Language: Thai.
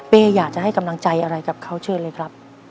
อยากจะให้กำลังใจอะไรกับเขาเชิญเลยครับ